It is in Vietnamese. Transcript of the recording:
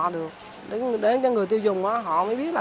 để người tiêu dùng họ mới biết